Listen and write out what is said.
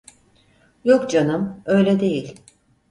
Yok canım, öyle değil